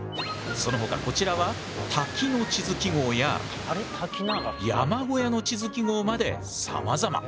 そのほかこちらは滝の地図記号や山小屋の地図記号までさまざま。